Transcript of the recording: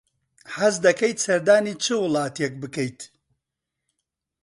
حەز دەکەیت سەردانی چ وڵاتێک بکەیت؟